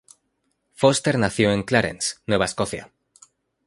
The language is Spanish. Foster nació en Clarence, Nueva Escocia.